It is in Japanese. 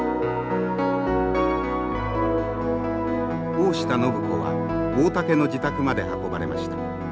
大下靖子は大竹の自宅まで運ばれました。